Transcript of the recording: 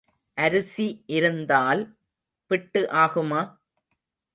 அரிசி இருந்தால் பிட்டு ஆகுமா?